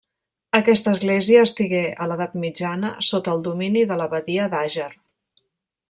Aquesta església estigué, a l'edat mitjana, sota el domini de l'abadia d'Àger.